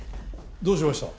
どうしました？